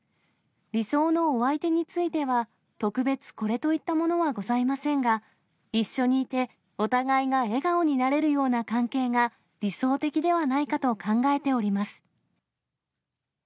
理想のお相手については、特別これといったものはございませんが、一緒にいてお互いが笑顔になれるような関係が理想的ではないかと考えております。